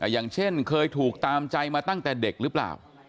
อย่างเช่นเคยถูกตามใจมาตั้งแต่เด็กหรือเปล่า